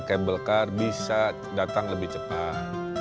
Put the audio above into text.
kabel car bisa datang lebih cepat